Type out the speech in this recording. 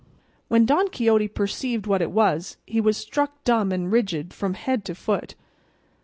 When Don Quixote perceived what it was, he was struck dumb and rigid from head to foot.